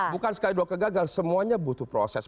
bukan sekali dua kegagal semuanya butuh proses